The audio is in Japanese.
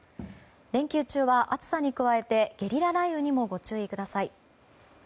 連休中は暑さに加えてゲリラ雷雨にもご注意ください。